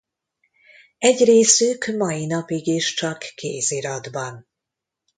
Egy részük mai napig is csak kéziratban.